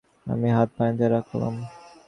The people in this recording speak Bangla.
আমি হাত পানিতে রাখলাম।